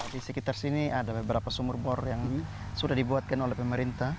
di sekitar sini ada beberapa sumur bor yang sudah dibuatkan oleh pemerintah